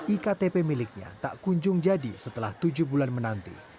iktp miliknya tak kunjung jadi setelah tujuh bulan menanti